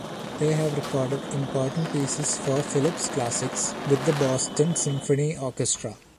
They have recorded important pieces for Philips Classics with the Boston Symphony Orchestra.